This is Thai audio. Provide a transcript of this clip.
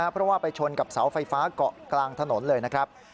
เพราะว่าไปชนกับเสาไฟฟ้าเกาะกลางถนนเลยนะครับ